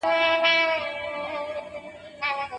دوولس تر يوولسو ډېر دي.